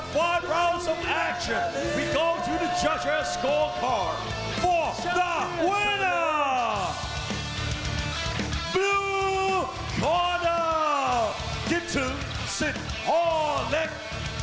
กิตุสิทธิ์ฮอร์เล็ก